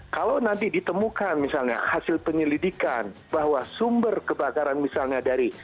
kalau nanti ditemukan misalnya hasil penyelidikan bahwa sumber kebakaran misalnya dari